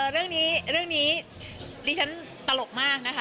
เรื่องนี้นี่ฉันตลกมาก